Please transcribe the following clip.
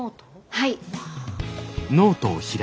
はい。